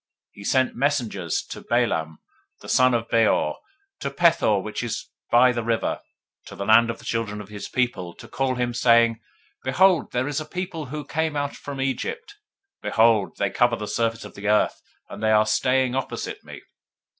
022:005 He sent messengers to Balaam the son of Beor, to Pethor, which is by the River, to the land of the children of his people, to call him, saying, Behold, there is a people come out from Egypt: behold, they cover the surface of the earth, and they abide over against me.